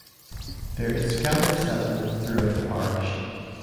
There is scattered settlement throughout the parish.